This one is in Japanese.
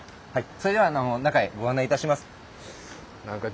それでは中へご案内いたします。